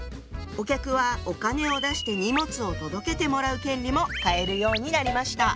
お客はお金を出して荷物を届けてもらう権利も買えるようになりました。